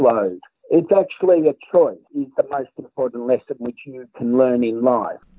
adalah pelajaran yang paling penting yang bisa anda pelajari dalam hidup